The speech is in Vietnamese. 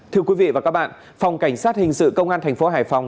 thưa quý vị và các bạn phòng cảnh sát hình sự công an tp hải phòng